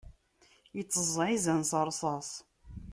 Iteẓẓaɛ izan s ṛṛṣaṣ.